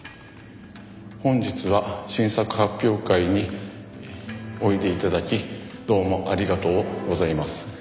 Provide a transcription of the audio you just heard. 「本日は新作発表会においで頂きどうもありがとうございます」